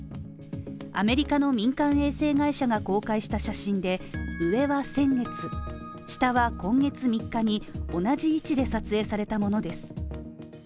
アメリカの民間衛星会社が公開した写真で、上は先月、下は今月３日に同じ位置で撮影されたものです。